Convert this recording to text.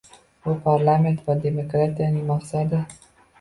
Bu parlament va demokratiyaning maqsadi